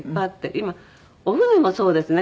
今お船もそうですね。